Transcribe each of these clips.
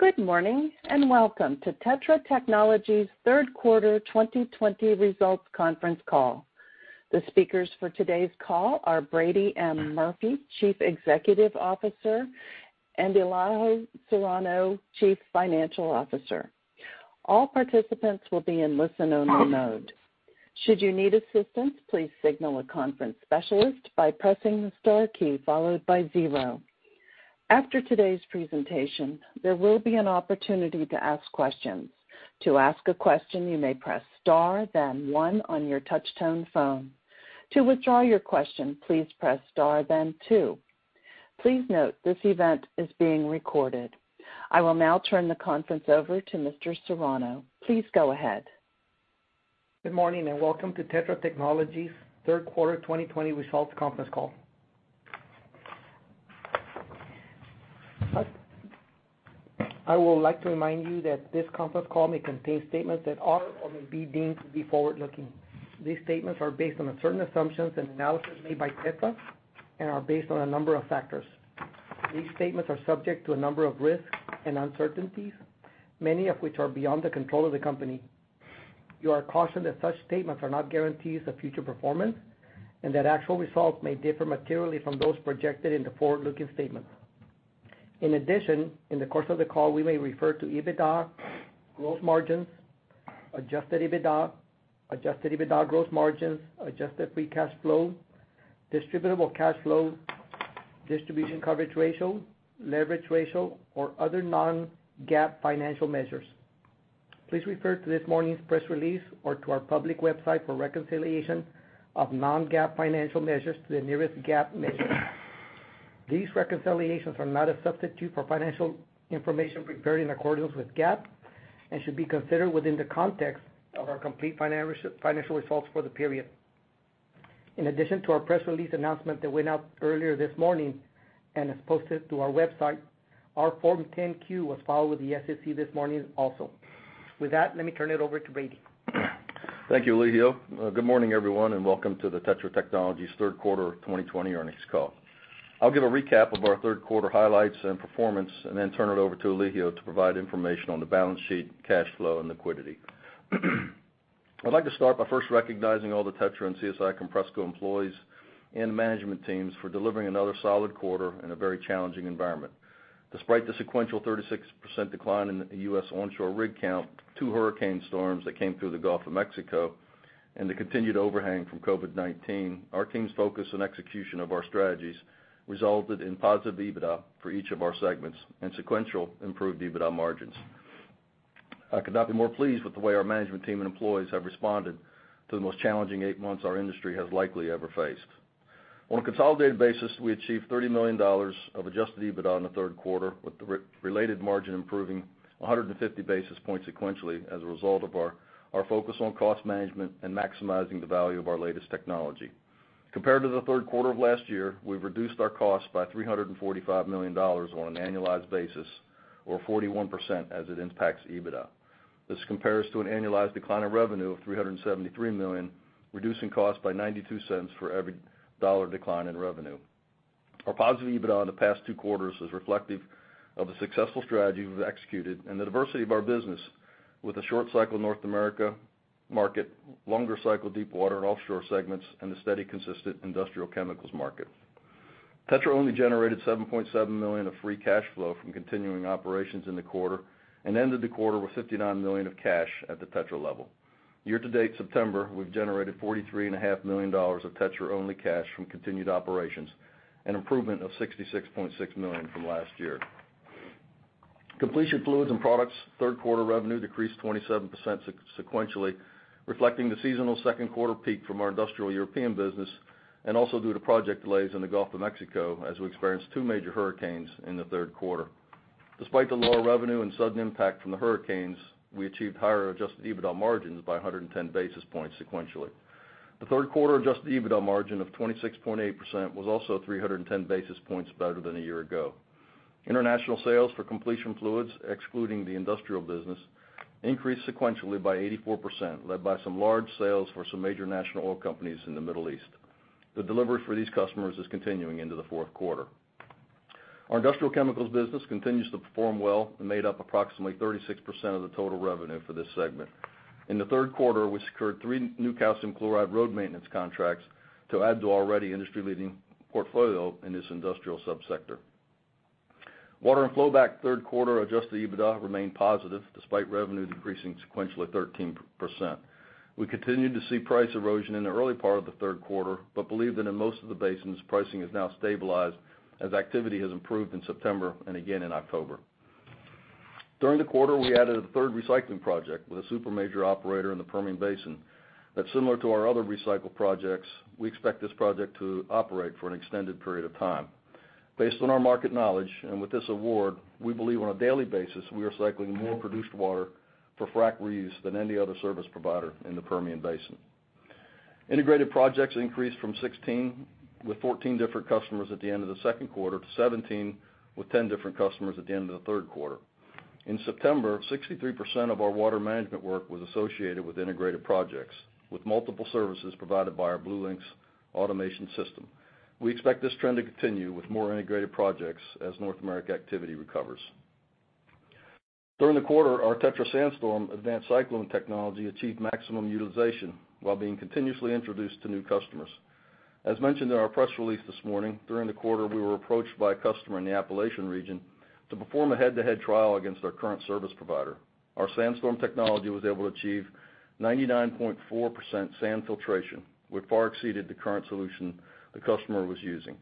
Good morning, welcome to TETRA Technologies' third quarter 2020 results conference call. The speakers for today's call are Brady M. Murphy, Chief Executive Officer, and Elijio Serrano, Chief Financial Officer. All participants will be in listen-only mode. Should you need assistance, please signal a conference specialist by pressing the star key followed by zero. After today's presentation, there will be an opportunity to ask questions. To ask a question, you may press star then one on your touch-tone phone. To withdraw your question, please press star then two. Please note this event is being recorded. I will now turn the conference over to Mr. Serrano. Please go ahead. Good morning, and welcome to TETRA Technologies' third quarter 2020 results conference call. I would like to remind you that this conference call may contain statements that are or may be deemed to be forward-looking. These statements are based on certain assumptions and analysis made by TETRA and are based on a number of factors. These statements are subject to a number of risks and uncertainties, many of which are beyond the control of the company. You are cautioned that such statements are not guarantees of future performance and that actual results may differ materially from those projected in the forward-looking statements. In addition, in the course of the call, we may refer to EBITDA, gross margins, adjusted EBITDA, adjusted EBITDA gross margins, adjusted free cash flow, distributable cash flow, distribution coverage ratio, leverage ratio, or other non-GAAP financial measures. Please refer to this morning's press release or to our public website for reconciliation of non-GAAP financial measures to the nearest GAAP measure. These reconciliations are not a substitute for financial information prepared in accordance with GAAP and should be considered within the context of our complete financial results for the period. In addition to our press release announcement that went out earlier this morning and is posted to our website, our Form 10-Q was filed with the SEC this morning also. With that, let me turn it over to Brady. Thank you, Elijio. Welcome to the TETRA Technologies third quarter 2020 earnings call. I'll give a recap of our third quarter highlights and performance and then turn it over to Elijio to provide information on the balance sheet, cash flow, and liquidity. I'd like to start by first recognizing all the TETRA and CSI Compressco employees and management teams for delivering another solid quarter in a very challenging environment. Despite the sequential 36% decline in the U.S. onshore rig count, two hurricane storms that came through the Gulf of Mexico, and the continued overhang from COVID-19, our team's focus and execution of our strategies resulted in positive EBITDA for each of our segments and sequential improved EBITDA margins. I could not be more pleased with the way our management team and employees have responded to the most challenging eight months our industry has likely ever faced. On a consolidated basis, we achieved $30 million of adjusted EBITDA in the third quarter, with the related margin improving 150 basis points sequentially as a result of our focus on cost management and maximizing the value of our latest technology. Compared to the third quarter of last year, we've reduced our costs by $345 million on an annualized basis or 41% as it impacts EBITDA. This compares to an annualized decline of revenue of $373 million, reducing costs by $0.92 for every dollar decline in revenue. Our positive EBITDA in the past two quarters is reflective of the successful strategy we've executed and the diversity of our business with the short cycle North America market, longer cycle deep water and offshore segments, and the steady, consistent industrial chemicals market. TETRA only generated $7.7 million of free cash flow from continuing operations in the quarter and ended the quarter with $59 million of cash at the TETRA level. Year to date, September, we've generated $43.5 million of TETRA-only cash from continued operations, an improvement of $66.6 million from last year. Completion fluids and products third quarter revenue decreased 27% sequentially, reflecting the seasonal second quarter peak from our industrial European business and also due to project delays in the Gulf of Mexico as we experienced two major hurricanes in the third quarter. Despite the lower revenue and sudden impact from the hurricanes, we achieved higher adjusted EBITDA margins by 110 basis points sequentially. The third quarter adjusted EBITDA margin of 26.8% was also 310 basis points better than a year ago. International sales for completion fluids, excluding the industrial business, increased sequentially by 84%, led by some large sales for some major National Oil Companies in the Middle East. The delivery for these customers is continuing into the fourth quarter. Our industrial chemicals business continues to perform well and made up approximately 36% of the total revenue for this segment. In the third quarter, we secured three new calcium chloride road maintenance contracts to add to our already industry-leading portfolio in this industrial subsector. Water and flowback third quarter adjusted EBITDA remained positive despite revenue decreasing sequentially 13%. We continued to see price erosion in the early part of the third quarter but believe that in most of the basins, pricing has now stabilized as activity has improved in September and again in October. During the quarter, we added a third recycling project with a super major operator in the Permian Basin that's similar to our other recycle projects. We expect this project to operate for an extended period of time. Based on our market knowledge and with this award, we believe on a daily basis we are cycling more produced water for frack reuse than any other service provider in the Permian Basin. Integrated projects increased from 16, with 14 different customers at the end of the second quarter, to 17, with 10 different customers at the end of the third quarter. In September, 63% of our water management work was associated with integrated projects, with multiple services provided by our BlueLinx automation system. We expect this trend to continue with more integrated projects as North America activity recovers. During the quarter, our TETRA SandStorm advanced cyclone technology achieved maximum utilization while being continuously introduced to new customers. As mentioned in our press release this morning, during the quarter, we were approached by a customer in the Appalachian region to perform a head-to-head trial against our current service provider. Our SandStorm technology was able to achieve 99.4% sand filtration, which far exceeded the current solution the customer was using,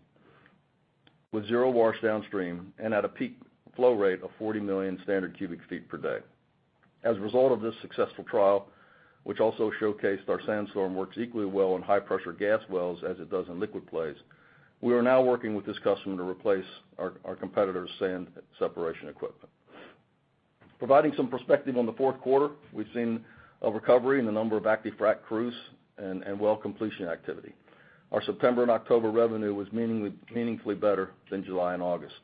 with zero wash downstream and at a peak flow rate of 40 million standard cubic feet per day. As a result of this successful trial, which also showcased our SandStorm works equally well in high-pressure gas wells as it does in liquid plays, we are now working with this customer to replace our competitor's sand separation equipment. Providing some perspective on the fourth quarter, we've seen a recovery in the number of active frac crews and well completion activity. Our September and October revenue was meaningfully better than July and August.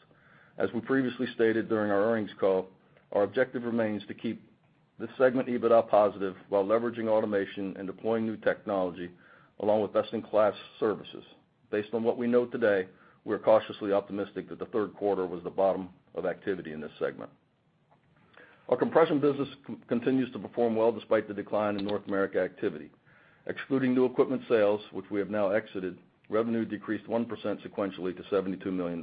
As we previously stated during our earnings call, our objective remains to keep this segment EBITDA positive while leveraging automation and deploying new technology along with best-in-class services. Based on what we know today, we're cautiously optimistic that the third quarter was the bottom of activity in this segment. Our compression business continues to perform well despite the decline in North America activity. Excluding new equipment sales, which we have now exited, revenue decreased 1% sequentially to $72 million.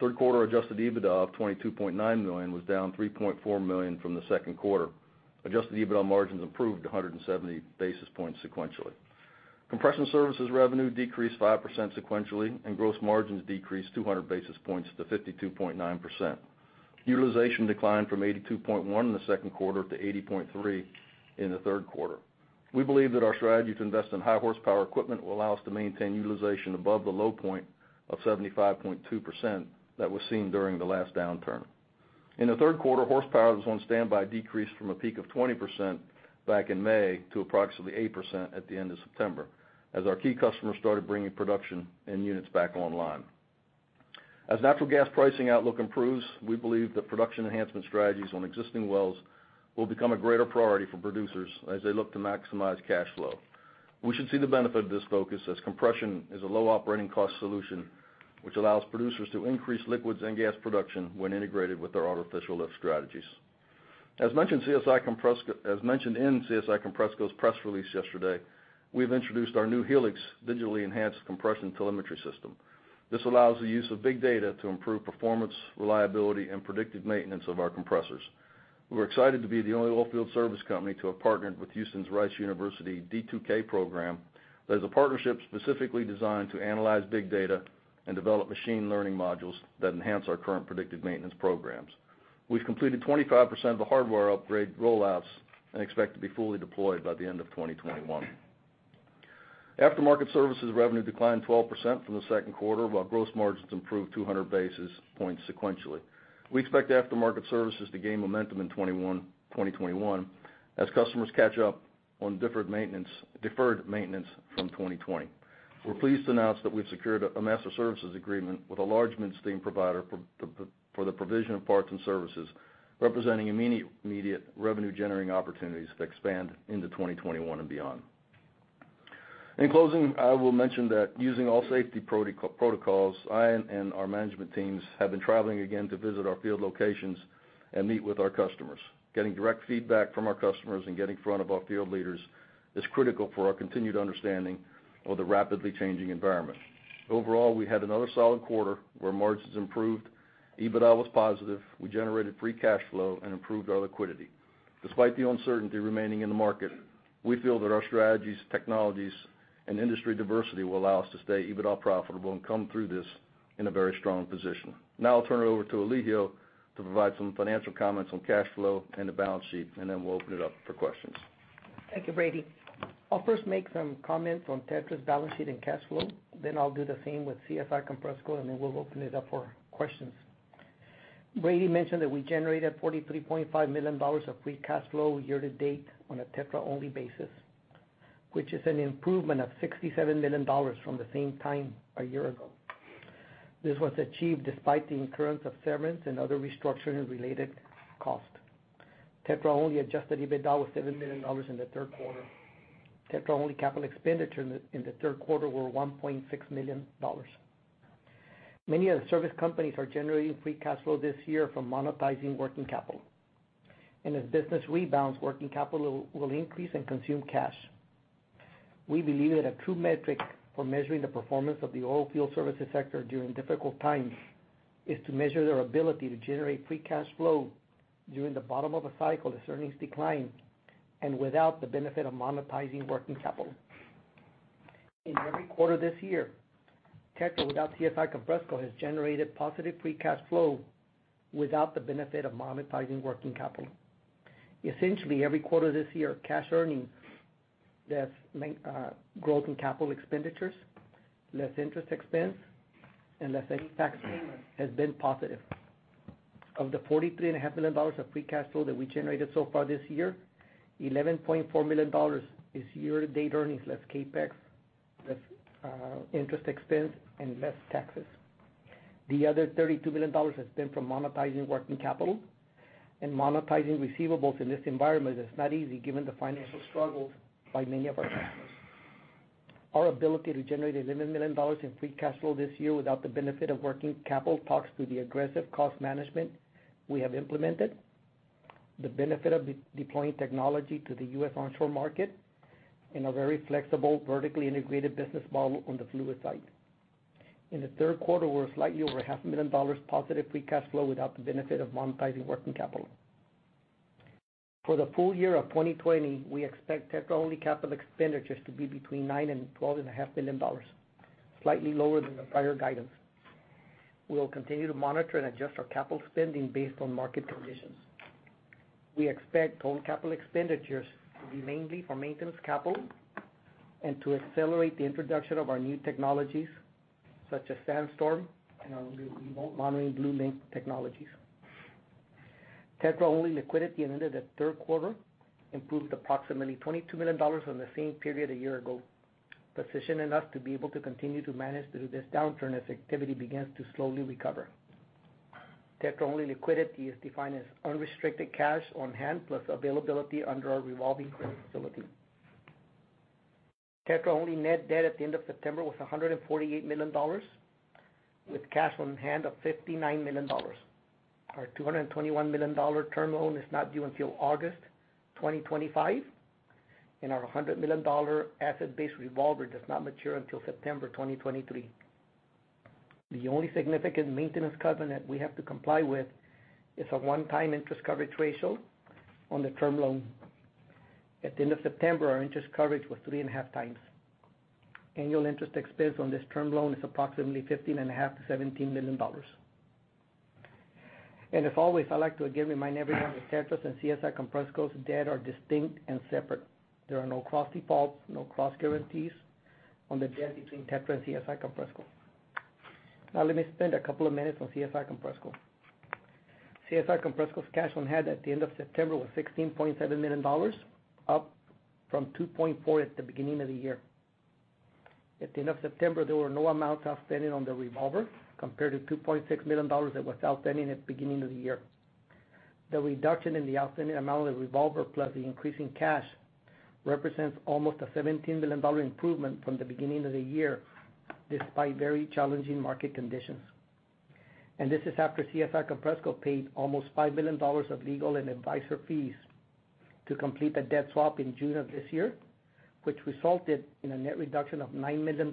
Third quarter adjusted EBITDA of $22.9 million was down $3.4 million from the second quarter. Adjusted EBITDA margins improved 170 basis points sequentially. Compression services revenue decreased 5% sequentially, and gross margins decreased 200 basis points to 52.9%. Utilization declined from 82.1% in the second quarter to 80.3% in the third quarter. We believe that our strategy to invest in high horsepower equipment will allow us to maintain utilization above the low point of 75.2% that was seen during the last downturn. In the third quarter, horsepower that was on standby decreased from a peak of 20% back in May to approximately 8% at the end of September as our key customers started bringing production and units back online. As natural gas pricing outlook improves, we believe that production enhancement strategies on existing wells will become a greater priority for producers as they look to maximize cash flow. We should see the benefit of this focus as compression is a low operating cost solution, which allows producers to increase liquids and gas production when integrated with their artificial lift strategies. As mentioned in CSI Compressco's press release yesterday, we've introduced our new Helix digitally enhanced compression telemetry system. This allows the use of big data to improve performance, reliability, and predictive maintenance of our compressors. We're excited to be the only oilfield service company to have partnered with Houston's Rice University D2K program. That is a partnership specifically designed to analyze big data and develop machine learning modules that enhance our current predictive maintenance programs. We've completed 25% of the hardware upgrade rollouts and expect to be fully deployed by the end of 2021. Aftermarket services revenue declined 12% from the second quarter, while gross margins improved 200 basis points sequentially. We expect aftermarket services to gain momentum in 2021 as customers catch up on deferred maintenance from 2020. We're pleased to announce that we've secured a master services agreement with a large midstream provider for the provision of parts and services, representing immediate revenue-generating opportunities that expand into 2021 and beyond. In closing, I will mention that using all safety protocols, I and our management teams have been traveling again to visit our field locations and meet with our customers. Getting direct feedback from our customers and getting in front of our field leaders is critical for our continued understanding of the rapidly changing environment. Overall, we had another solid quarter where margins improved, EBITDA was positive, we generated free cash flow, and improved our liquidity. Despite the uncertainty remaining in the market, we feel that our strategies, technologies, and industry diversity will allow us to stay EBITDA profitable and come through this in a very strong position. I'll turn it over to Elijio to provide some financial comments on cash flow and the balance sheet, and then we'll open it up for questions. Thank you, Brady. I'll first make some comments on TETRA's balance sheet and cash flow, then I'll do the same with CSI Compressco, and then we'll open it up for questions. Brady mentioned that we generated $43.5 million of free cash flow year to date on a TETRA-only basis, which is an improvement of $67 million from the same time a year ago. This was achieved despite the incurrence of severance and other restructuring and related costs. TETRA-only adjusted EBITDA was $7 million in the third quarter. TETRA-only capital expenditure in the third quarter were $1.6 million. Many of the service companies are generating free cash flow this year from monetizing working capital. As business rebounds, working capital will increase and consume cash. We believe that a true metric for measuring the performance of the oilfield services sector during difficult times is to measure their ability to generate free cash flow during the bottom of a cycle as earnings decline and without the benefit of monetizing working capital. In every quarter this year, TETRA without CSI Compressco has generated positive free cash flow without the benefit of monetizing working capital. Essentially, every quarter this year, cash earnings less growth in capital expenditures, less interest expense, and less tax has been positive. Of the $43.5 million of free cash flow that we generated so far this year, $11.4 million is year-to-date earnings less CapEx, less interest expense, and less taxes. Monetizing receivables in this environment is not easy given the financial struggles by many of our customers. Our ability to generate $11 million in free cash flow this year without the benefit of working capital talks to the aggressive cost management we have implemented, the benefit of deploying technology to the U.S. onshore market, and a very flexible, vertically integrated business model on the fluid side. In the third quarter, we're slightly over a half million dollars positive free cash flow without the benefit of monetizing working capital. For the full year of 2020, we expect TETRA-only capital expenditures to be between $9 million and $12.5 million, slightly lower than the prior guidance. We will continue to monitor and adjust our capital spending based on market conditions. We expect total capital expenditures to be mainly for maintenance capital and to accelerate the introduction of our new technologies, such as SandStorm and our remote monitoring BlueLinx technologies. TETRA-only liquidity at the end of the third quarter improved approximately $22 million from the same period a year ago, positioning us to be able to continue to manage through this downturn as activity begins to slowly recover. TETRA-only liquidity is defined as unrestricted cash on hand plus availability under our revolving credit facility. TETRA-only net debt at the end of September was $148 million with cash on hand of $59 million. Our $221 million term loan is not due until August 2025, and our $100 million asset-based revolver does not mature until September 2023. The only significant maintenance covenant we have to comply with is a one-time interest coverage ratio on the term loan. At the end of September, our interest coverage was 3.5 times. Annual interest expense on this term loan is approximately $15.5 million-$17 million. As always, I'd like to again remind everyone that TETRA's and CSI Compressco's debt are distinct and separate. There are no cross defaults, no cross guarantees on the debt between TETRA and CSI Compressco. Let me spend a couple of minutes on CSI Compressco. CSI Compressco's cash on hand at the end of September was $16.7 million, up from $2.4 million at the beginning of the year. At the end of September, there were no amounts outstanding on the revolver compared to $2.6 million that was outstanding at the beginning of the year. The reduction in the outstanding amount of the revolver, plus the increase in cash, represents almost a $17 million improvement from the beginning of the year, despite very challenging market conditions. This is after CSI Compressco paid almost $5 million of legal and advisor fees to complete the debt swap in June of this year, which resulted in a net reduction of $9 million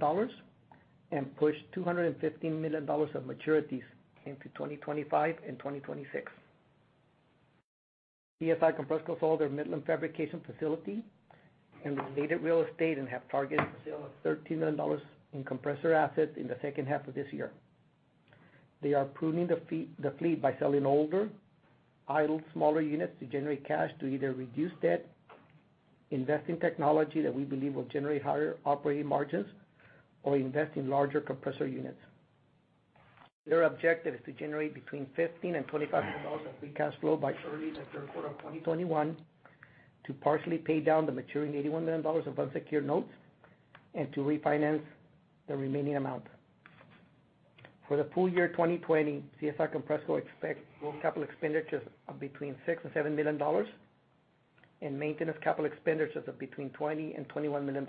and pushed $215 million of maturities into 2025 and 2026. CSI Compressco sold their Midland fabrication facility and related real estate and have targeted the sale of $30 million in compressor assets in the second half of this year. They are pruning the fleet by selling older, idle smaller units to generate cash to either reduce debt, invest in technology that we believe will generate higher operating margins, or invest in larger compressor units. Their objective is to generate between $15 million-$25 million of free cash flow by early the third quarter of 2021 to partially pay down the maturing $81 million of unsecured notes and to refinance the remaining amount. For the full year 2020, CSI Compressco expects total capital expenditures of between $6 million and $7 million and maintenance capital expenditures of between $20 million and $21 million.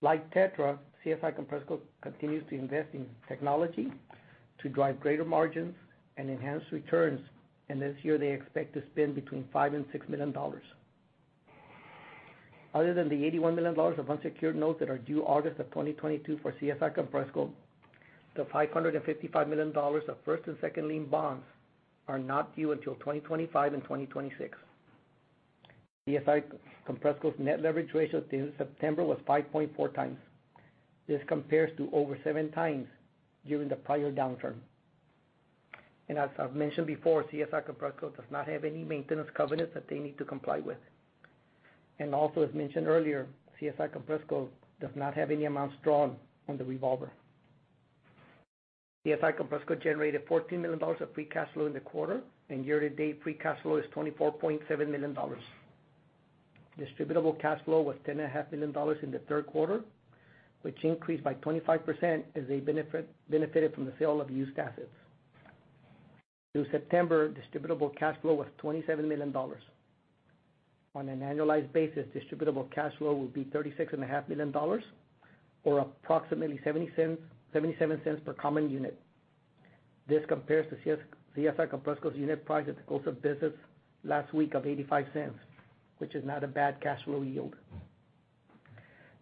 Like TETRA, CSI Compressco continues to invest in technology to drive greater margins and enhance returns. This year, they expect to spend between $5 million and $6 million. Other than the $81 million of unsecured notes that are due August of 2022 for CSI Compressco, the $555 million of first and second lien bonds are not due until 2025 and 2026. CSI Compressco's net leverage ratio through September was 5.4 times. This compares to over 7 times during the prior downturn. As I've mentioned before, CSI Compressco does not have any maintenance covenants that they need to comply with. Also, as mentioned earlier, CSI Compressco does not have any amounts drawn on the revolver. CSI Compressco generated $14 million of free cash flow in the quarter, and year-to-date free cash flow is $24.7 million. Distributable cash flow was $10.5 million in the third quarter, which increased by 25% as they benefited from the sale of used assets. Through September, distributable cash flow was $27 million. On an annualized basis, distributable cash flow will be $36.5 million, or approximately $0.77 per common unit. This compares to CSI Compressco's unit price at the close of business last week of $0.85, which is not a bad cash flow yield.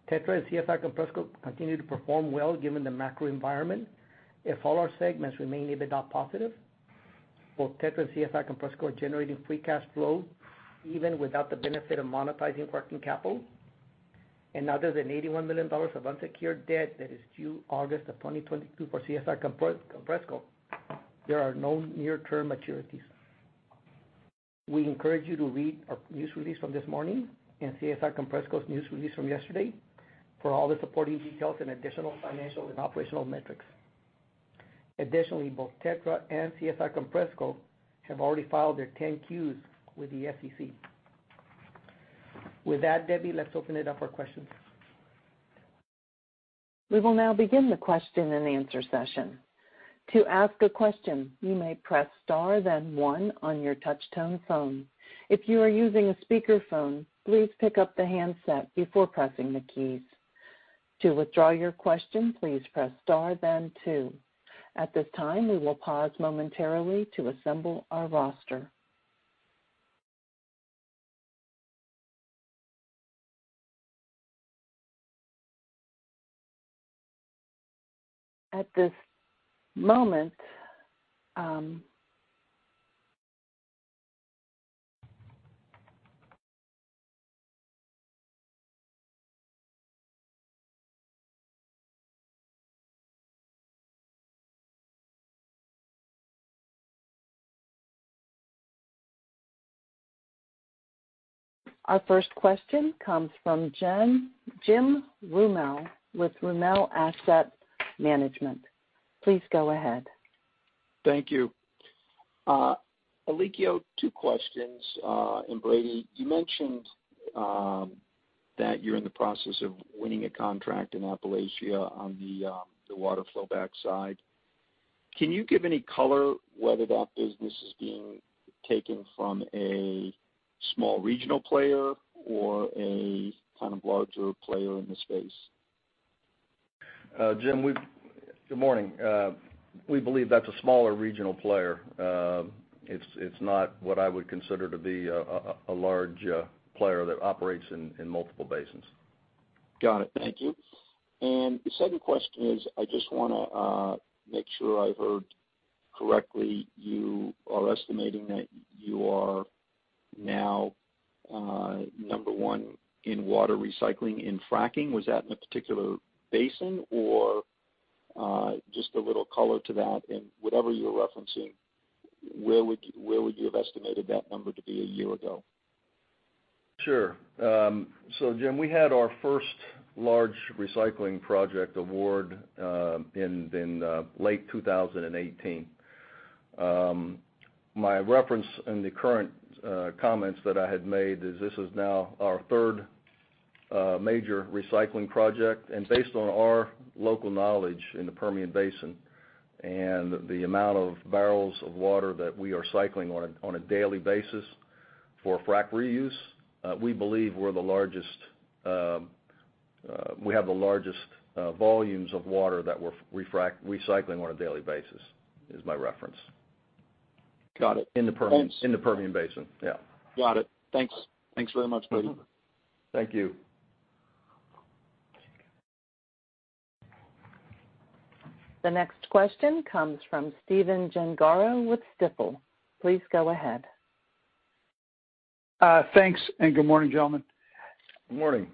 TETRA and CSI Compressco continue to perform well given the macro environment. If all our segments remain EBITDA positive, both TETRA and CSI Compressco are generating free cash flow even without the benefit of monetizing working capital. Other than $81 million of unsecured debt that is due August of 2022 for CSI Compressco, there are no near-term maturities. We encourage you to read our news release from this morning and CSI Compressco's news release from yesterday for all the supporting details and additional financial and operational metrics. Additionally, both TETRA and CSI Compressco have already filed their 10-Qs with the SEC. With that, Debbie, let's open it up for questions. We will now begin the question and answer session. To ask a question, you may press star then one on your touch-tone phone. If you are using a speakerphone, please pick up the handset before pressing the keys. To withdraw your question, please press star then two. At this time, we will pause momentarily to assemble our roster. At this moment our first question comes from Jim Roumell with Roumell Asset Management. Please go ahead. Thank you. Elijio, two questions, and Brady, you mentioned that you're in the process of winning a contract in Appalachia on the water flow back side. Can you give any color whether that business is being taken from a small regional player or a kind of larger player in the space? Jim, good morning. We believe that's a smaller regional player. It's not what I would consider to be a large player that operates in multiple basins. Got it. Thank you. The second question is, I just want to make sure I heard correctly. You are estimating that you are now number one in water recycling in fracking. Was that in a particular basin, or just a little color to that? Whatever you're referencing, where would you have estimated that number to be a year ago? Sure. Jim, we had our first large recycling project award in late 2018. My reference in the current comments that I had made is this is now our third major recycling project. Based on our local knowledge in the Permian Basin and the amount of barrels of water that we are cycling on a daily basis for frack reuse, we believe we have the largest volumes of water that we're recycling on a daily basis, is my reference. Got it. In the Permian Basin, yeah. Got it. Thanks. Thanks very much, Brady. Thank you. The next question comes from Stephen Gengaro with Stifel. Please go ahead. Thanks, and good morning, gentlemen. Good morning.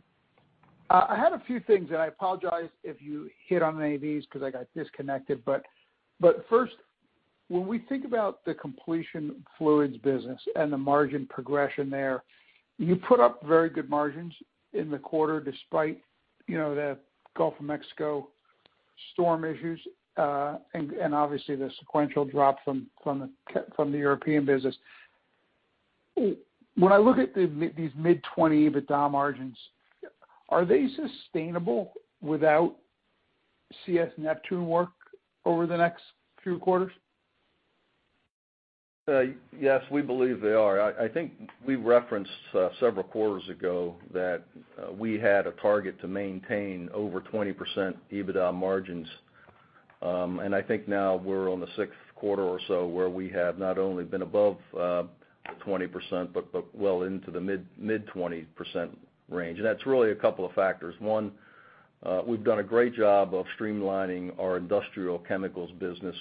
I had a few things. I apologize if you hit on any of these because I got disconnected. First, when we think about the completion fluids business and the margin progression there, you put up very good margins in the quarter despite the Gulf of Mexico storm issues, and obviously the sequential drop from the European business. When I look at these mid-20 EBITDA margins, are they sustainable without CS Neptune work over the next few quarters? Yes, we believe they are. I think we referenced several quarters ago that we had a target to maintain over 20% EBITDA margins. I think now we're on the sixth quarter or so where we have not only been above 20% but well into the mid-20% range. That's really a couple of factors. One, we've done a great job of streamlining our industrial chemicals business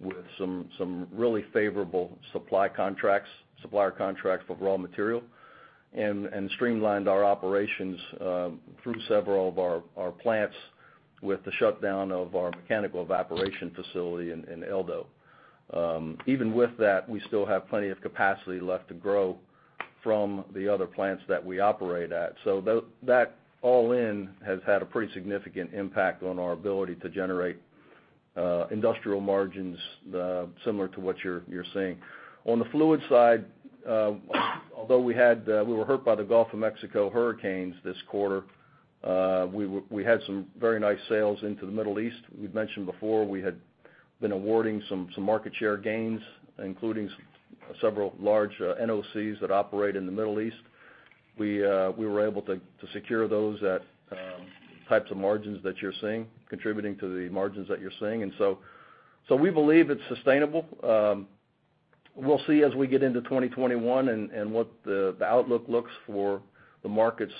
with some really favorable supplier contracts for raw material, and streamlined our operations through several of our plants with the shutdown of our mechanical evaporation facility in Eldo. Even with that, we still have plenty of capacity left to grow from the other plants that we operate at. That all in has had a pretty significant impact on our ability to generate industrial margins similar to what you're seeing. On the fluid side, although we were hurt by the Gulf of Mexico hurricanes this quarter, we had some very nice sales into the Middle East. We've mentioned before we had been awarding some market share gains, including several large NOCs that operate in the Middle East. We were able to secure those at types of margins that you're seeing, contributing to the margins that you're seeing. We believe it's sustainable. We'll see as we get into 2021 and what the outlook looks for the markets,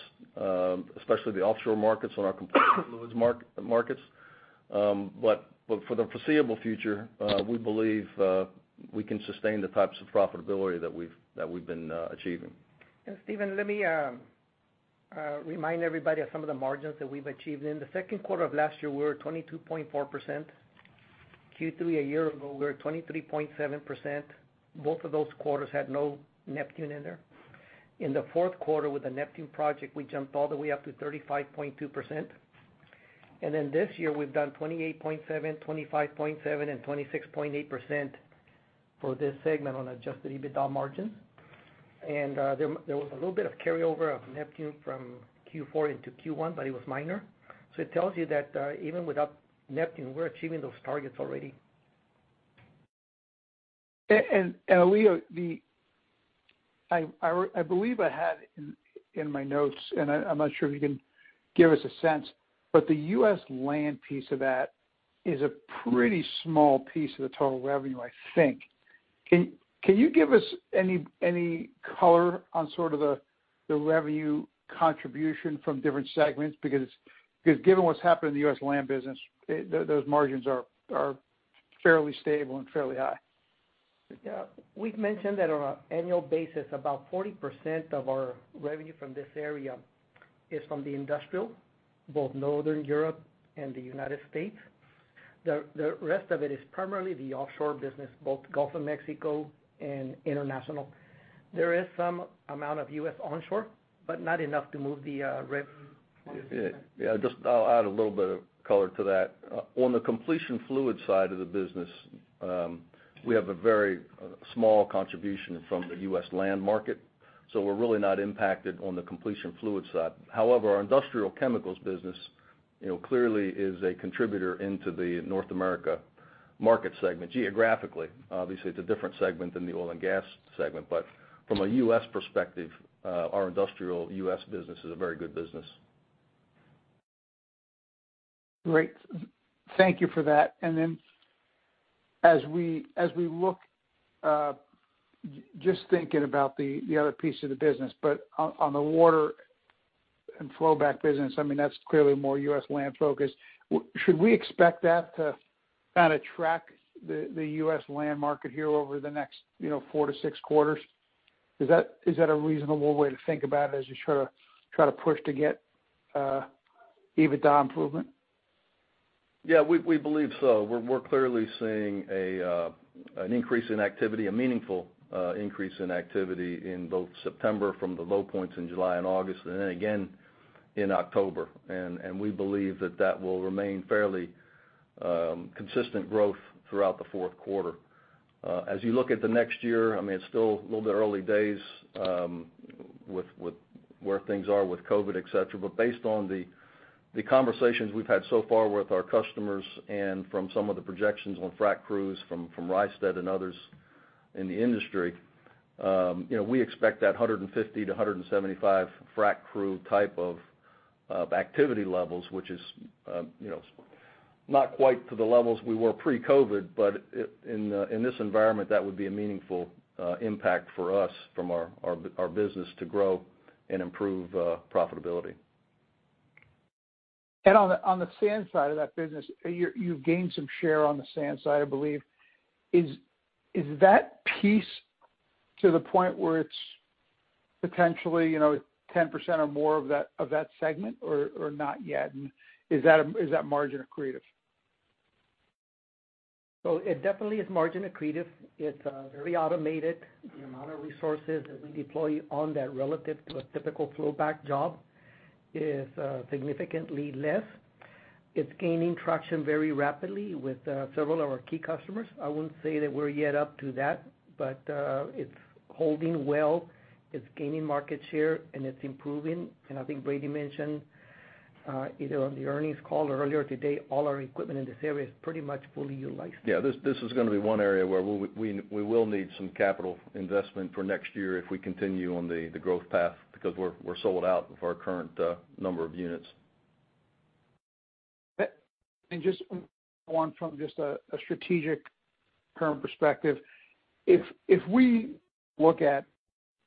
especially the offshore markets on our completion fluids markets. For the foreseeable future, we believe we can sustain the types of profitability that we've been achieving. Stephen, let me remind everybody of some of the margins that we've achieved. In the second quarter of last year, we were at 22.4%. Q3 a year ago, we were at 23.7%. Both of those quarters had no Neptune in there. In the fourth quarter with the Neptune project, we jumped all the way up to 35.2%. This year we've done 28.7%, 25.7%, and 26.8% for this segment on adjusted EBITDA margins. There was a little bit of carryover of Neptune from Q4 into Q1, but it was minor. It tells you that even without Neptune, we're achieving those targets already. Elijio, I believe I had in my notes, and I'm not sure if you can give us a sense, but the U.S. land piece of that is a pretty small piece of the total revenue, I think. Can you give us any color on sort of the revenue contribution from different segments? Because given what's happened in the U.S. land business, those margins are fairly stable and fairly high. Yeah. We've mentioned that on an annual basis, about 40% of our revenue from this area is from the industrial, both Northern Europe and the United States. The rest of it is primarily the offshore business, both Gulf of Mexico and international. There is some amount of U.S. onshore, but not enough to move the revenue. Yeah. I'll add a little bit of color to that. On the completion fluid side of the business, we have a very small contribution from the U.S. land market. We're really not impacted on the completion fluid side. However, our industrial chemicals business clearly is a contributor into the North America market segment geographically. Obviously, it's a different segment than the oil and gas segment. From a U.S. perspective, our industrial U.S. business is a very good business. Great. Thank you for that. As we look, just thinking about the other piece of the business, on the water and flow back business, that is clearly more U.S. land focused. Should we expect that to kind of track the U.S. land market here over the next four to six quarters? Is that a reasonable way to think about it as you try to push to get EBITDA improvement? Yeah, we believe so. We're clearly seeing an increase in activity, a meaningful increase in activity in both September from the low points in July and August, then again in October. We believe that that will remain fairly consistent growth throughout the fourth quarter. As you look at the next year, it's still a little bit early days, with where things are with COVID, et cetera. Based on the conversations we've had so far with our customers and from some of the projections on frac crews from Rystad and others in the industry, we expect that 150-175 frac crew type of activity levels, which is not quite to the levels we were pre-COVID, in this environment, that would be a meaningful impact for us from our business to grow and improve profitability. On the sand side of that business, you've gained some share on the sand side, I believe. Is that piece to the point where it's potentially 10% or more of that segment or not yet? Is that margin accretive? It definitely is margin accretive. It's very automated. The amount of resources that we deploy on that relative to a typical flow back job is significantly less. It's gaining traction very rapidly with several of our key customers. I wouldn't say that we're yet up to that, but it's holding well. It's gaining market share, and it's improving. I think Brady mentioned, either on the earnings call or earlier today, all our equipment in this area is pretty much fully utilized. Yeah, this is gonna be one area where we will need some capital investment for next year if we continue on the growth path, because we're sold out of our current number of units. Just one from just a strategic current perspective. If we look at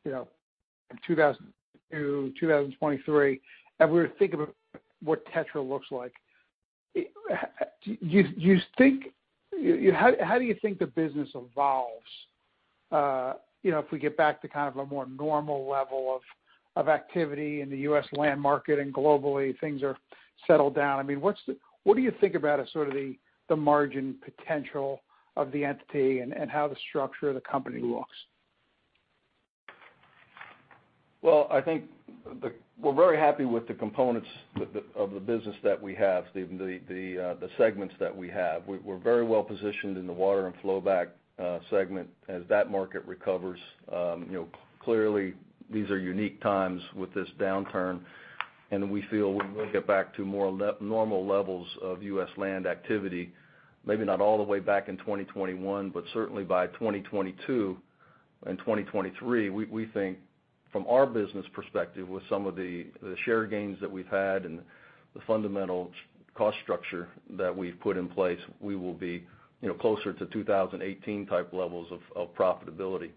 20022, 2023, and we think about what TETRA looks like, how do you think the business evolves? If we get back to kind of a more normal level of activity in the U.S. land market and globally, things are settled down. What do you think about as sort of the margin potential of the entity and how the structure of the company looks? I think we're very happy with the components of the business that we have, the segments that we have. We're very well-positioned in the water and flow back segment as that market recovers. Clearly these are unique times with this downturn, and we feel when we get back to more normal levels of U.S. land activity, maybe not all the way back in 2021, but certainly by 2022 and 2023, we think from our business perspective, with some of the share gains that we've had and the fundamental cost structure that we've put in place, we will be closer to 2018 type levels of profitability.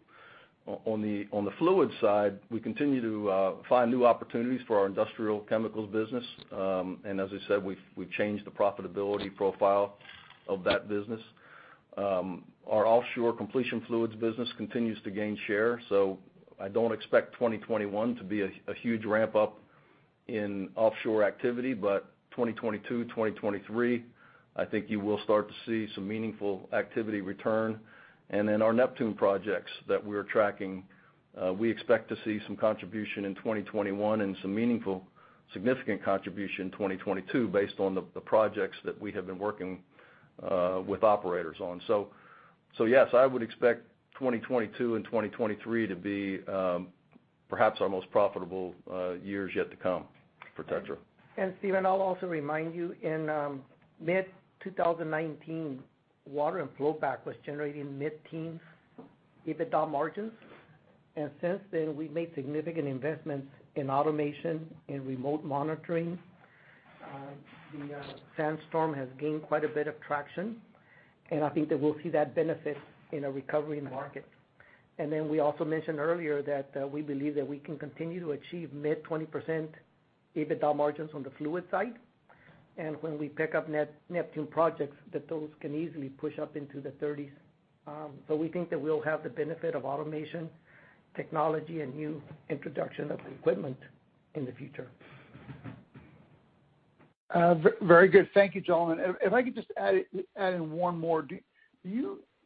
On the fluids side, we continue to find new opportunities for our industrial chemicals business. As I said, we've changed the profitability profile of that business. Our offshore completion fluids business continues to gain share. I don't expect 2021 to be a huge ramp-up in offshore activity, but 2022, 2023, I think you will start to see some meaningful activity return. Our Neptune projects that we're tracking, we expect to see some contribution in 2021 and some meaningful, significant contribution in 2022 based on the projects that we have been working with operators on. Yes, I would expect 2022 and 2023 to be perhaps our most profitable years yet to come for TETRA. Stephen, I'll also remind you, in mid-2019, water and flowback was generating mid-teens EBITDA margins. Since then, we've made significant investments in automation and remote monitoring. The SandStorm has gained quite a bit of traction, and I think that we'll see that benefit in a recovery market. We also mentioned earlier that we believe that we can continue to achieve mid-20% EBITDA margins on the fluid side. When we pick up Neptune projects, that those can easily push up into the 30s. We think that we'll have the benefit of automation, technology, and new introduction of equipment in the future. Very good. Thank you, gentlemen. If I could just add in one more.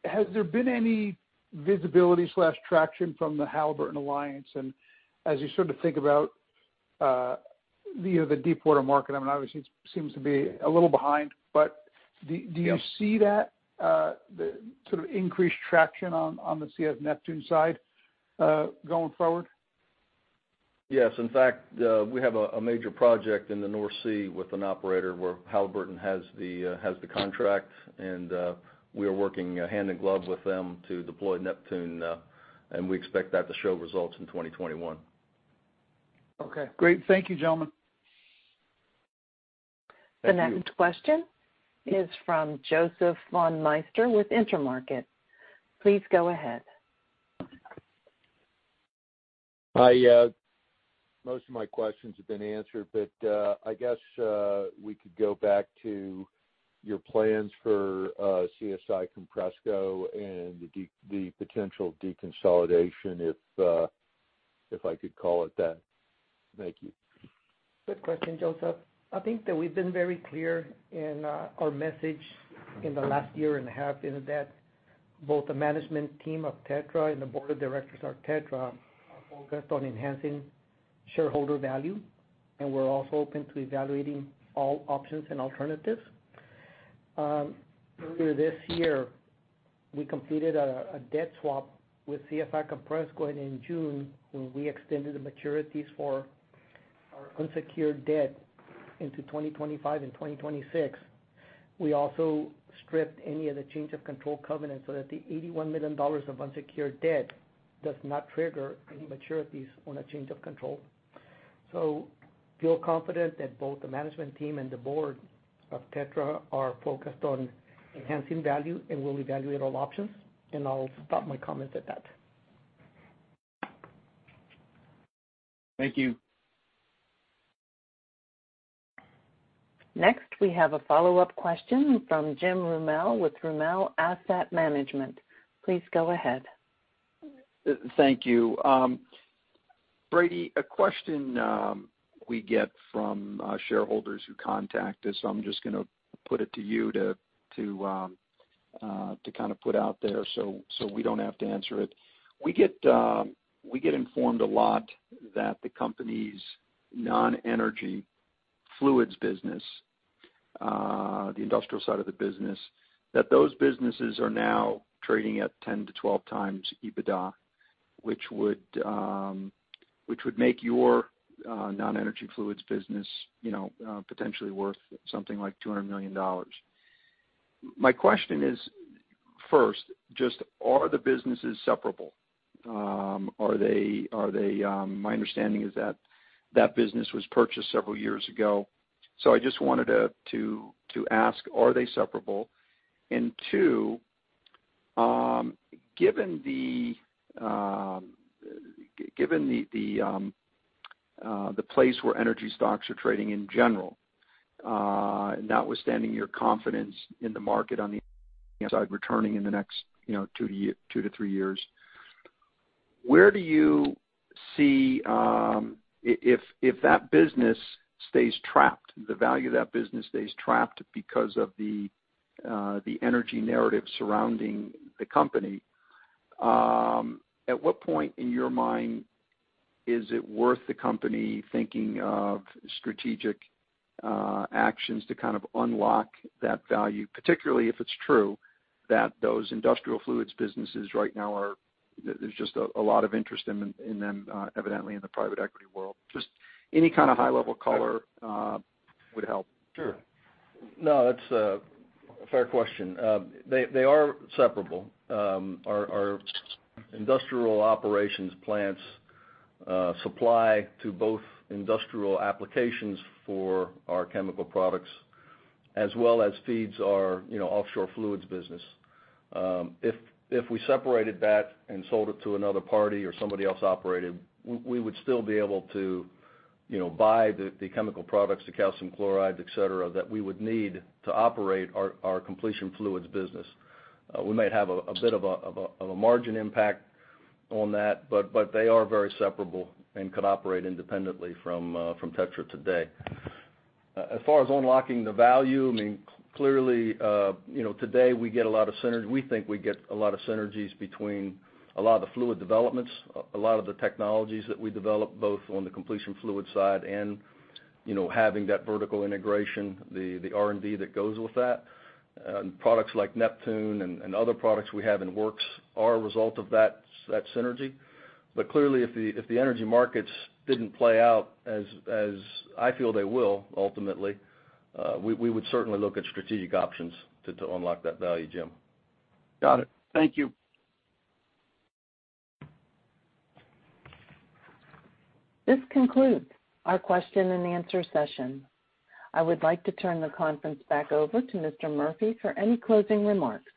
Has there been any visibility/traction from the Halliburton alliance? As you sort of think about the deepwater market, obviously it seems to be a little behind, but do you see that, the sort of increased traction on the CS Neptune side, going forward? Yes. In fact, we have a major project in the North Sea with an operator where Halliburton has the contract, and we are working hand in glove with them to deploy Neptune. We expect that to show results in 2021. Okay, great. Thank you, gentlemen. Thank you. The next question is from Joseph Von Meister with Intermarket. Please go ahead. Most of my questions have been answered, but, I guess, we could go back to your plans for CSI Compressco and the potential deconsolidation if I could call it that. Thank you. Good question, Joseph. I think that we've been very clear in our message in the last year and a half, is that both the management team of TETRA and the board of directors of TETRA are focused on enhancing shareholder value, and we're also open to evaluating all options and alternatives. Earlier this year, we completed a debt swap with CSI Compressco, and in June, when we extended the maturities for our unsecured debt into 2025 and 2026. We also stripped any of the change of control covenants so that the $81 million of unsecured debt does not trigger any maturities on a change of control. Feel confident that both the management team and the board of TETRA are focused on enhancing value and will evaluate all options. I'll stop my comments at that. Thank you. Next, we have a follow-up question from Jim Roumell with Roumell Asset Management. Please go ahead. Thank you. Brady, a question we get from shareholders who contact us, so I'm just gonna put it to you to kind of put out there so we don't have to answer it. We get informed a lot that the company's non-energy fluids business, the industrial side of the business, that those businesses are now trading at 10x-12x EBITDA, which would make your non-energy fluids business potentially worth something like $200 million. My question is, first, just are the businesses separable? My understanding is that business was purchased several years ago, so I just wanted to ask, are they separable? Two, given the place where energy stocks are trading in general, notwithstanding your confidence in the market on the side returning in the next two to three years, where do you see, if that business stays trapped, the value of that business stays trapped because of the energy narrative surrounding the company, at what point in your mind is it worth the company thinking of strategic actions to kind of unlock that value? Particularly if it's true that those industrial fluids businesses right now there's just a lot of interest in them evidently in the private equity world. Just any kind of high level color would help. Sure. No, it's a fair question. They are separable. Our industrial operations plants supply to both industrial applications for our chemical products as well as feeds our offshore fluids business. If we separated that and sold it to another party or somebody else operated, we would still be able to buy the chemical products, the calcium chloride, et cetera, that we would need to operate our completion fluids business. We might have a bit of a margin impact on that, but they are very separable and could operate independently from TETRA today. As far as unlocking the value, clearly, today we think we get a lot of synergies between a lot of the fluid developments, a lot of the technologies that we develop, both on the completion fluid side and having that vertical integration, the R&D that goes with that. Products like Neptune and other products we have in the works are a result of that synergy. Clearly, if the energy markets didn't play out as I feel they will ultimately, we would certainly look at strategic options to unlock that value, Jim. Got it. Thank you. This concludes our question and answer session. I would like to turn the conference back over to Mr. Murphy for any closing remarks.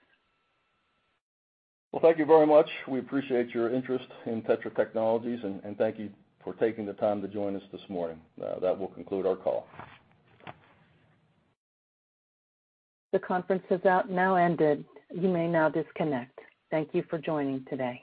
Well, thank you very much. We appreciate your interest in TETRA Technologies, and thank you for taking the time to join us this morning. That will conclude our call. The conference has now ended. You may now disconnect. Thank you for joining today.